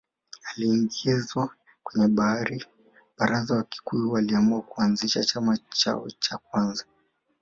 Aliingizwa kwenye Baraza Wakikuyu waliamua kuanzisha chama chao cha kwanza